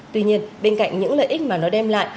tuy nhiên bên cạnh những lợi ích mà nó đem lại